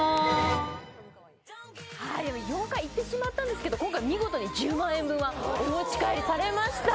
４回、言ってしまったんですが今回は見事に１０万円分はお持ち帰りしました。